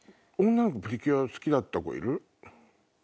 女の子『プリキュア』好きだった子いる？